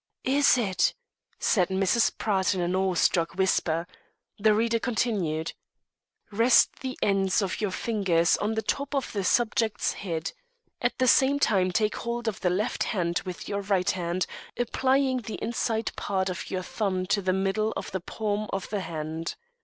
'" "Is it?" said Mrs. Pratt in an awe struck whisper. The reader continued: "'Rest the ends of your fingers on the top of the subject's head. At the same time take hold of the left hand with your right hand, applying the inside part of your thumb to the middle of the palm of the hand.'